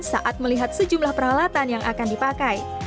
saat melihat sejumlah peralatan yang akan dipakai